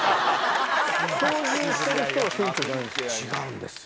操縦してる人が船長じゃない違うんですよ。